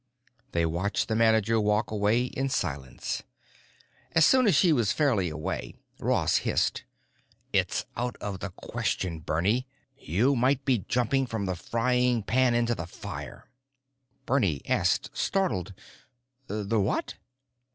They watched the manager walk away in silence. As soon as she was fairly away, Ross hissed, "It's out of the question, Bernie. You might be jumping from the frying pan into the fire." Bernie asked, startled, "The what?"